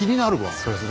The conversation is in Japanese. そうですね。